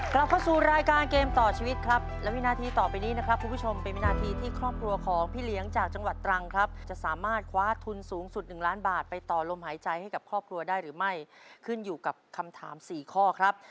กลับเข้าสู่รายการเกมต่อชีวิตครับและวินาทีต่อไปนี้นะครับคุณผู้ชมเป็นวินาทีที่ครอบครัวของพี่เลี้ยงจากจังหวัดตรังครับจะสามารถคว้าทุนสูงสุด๑ล้านบาทไปต่อลมหายใจให้กับครอบครัวได้หรือไม่ขึ้นอยู่กับคำถามสี่ข้อครับ